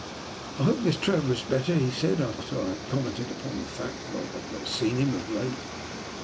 "I hope Miss Trevor is better," he said, after I had commented upon the fact that I had not seen him of late.